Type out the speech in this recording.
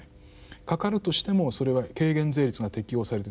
かかるとしてもそれは軽減税率が適用されてるということがあります。